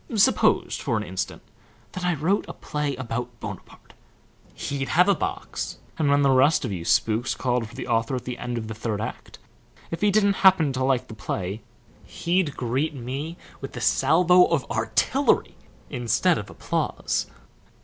Suppose, for an instant, that I wrote a play about Bonaparte! He'd have a box, and when the rest of you spooks called for the author at the end of the third act, if he didn't happen to like the play he'd greet me with a salvo of artillery instead of applause."